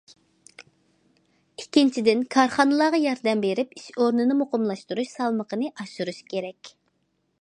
ئىككىنچىدىن، كارخانىلارغا ياردەم بېرىپ، ئىش ئورنىنى مۇقىملاشتۇرۇش سالمىقىنى ئاشۇرۇش كېرەك.